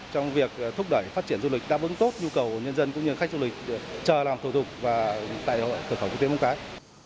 trong việc thúc đẩy phát triển du lịch đáp ứng tốt nhu cầu của nhân dân cũng như khách du lịch chờ làm thủ tục và tại cửa khẩu quốc tế mong cái